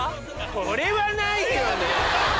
これはないよね！